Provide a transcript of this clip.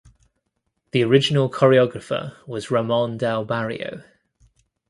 The original choreographer was Ramon Del Barrio.